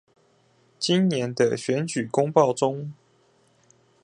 今年的選舉公報中